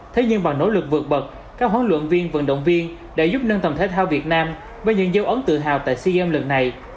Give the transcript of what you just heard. thế nhưng bằng nỗ lực vượt bậc các huấn luyện viên vận động viên đã giúp nâng tầm thể thao việt nam với những dấu ấn tự hào tại sea games lần này